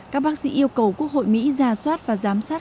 các bác sĩ yêu cầu quốc hội mỹ ra soát và giám sát